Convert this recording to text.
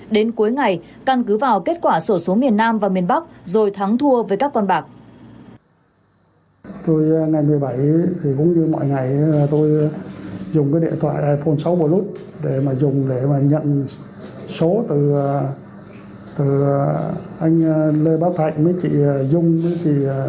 đến cuối ngày căn cứ vào kết quả sổ số miền nam và miền bắc rồi thắng thua với các con bạc